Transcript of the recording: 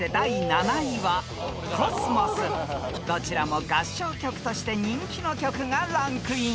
［どちらも合唱曲として人気の曲がランクイン］